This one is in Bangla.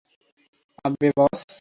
আব্বে, বস!